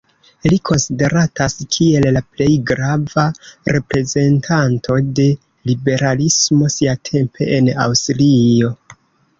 Li konsideratas kiel la plej grava reprezentanto de liberalismo siatempe en Aŭstrio.